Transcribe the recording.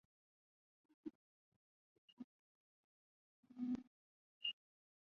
哈尔科夫地铁是乌克兰城市哈尔科夫的捷运系统。